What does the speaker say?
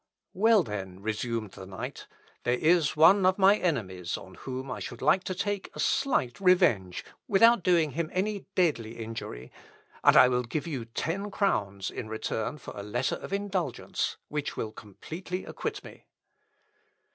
"Well then," resumed the knight, "there is one of my enemies on whom I should like to take a slight revenge without doing him any deadly injury, and I will give you ten crowns in return for a letter of indulgence, which will completely acquit me."